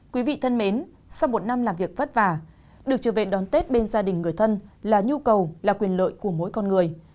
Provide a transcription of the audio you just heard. quý vị thân mến sau một năm làm việc vất vả được trở về đón tết bên gia đình người thân là nhu cầu là quyền lợi của mỗi con người